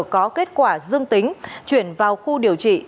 có kết quả dương tính chuyển vào khu điều trị